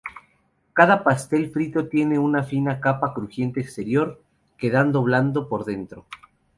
Cada pastel frito tiene una fina capa crujiente exterior, quedando blando por dentro.